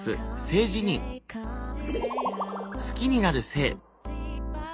好きになる性。